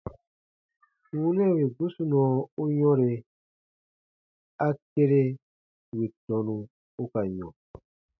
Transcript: Wunɛ wì gusunɔ u yɔ̃re, a kere wì tɔnu u ka yɔ̃.